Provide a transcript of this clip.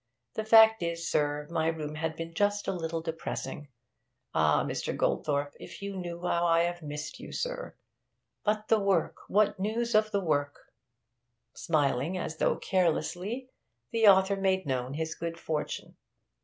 The fact is, sir, my room had been just a little depressing. Ah, Mr. Goldthorpe, if you knew how I have missed you, sir! But the work what news of the work?' Smiling as though carelessly, the author made known his good fortune.